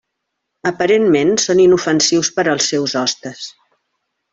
Aparentment són inofensius per als seus hostes.